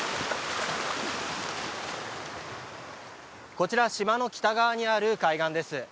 こちら島の北側にある海岸です。